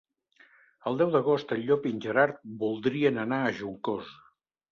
El deu d'agost en Llop i en Gerard voldrien anar a Juncosa.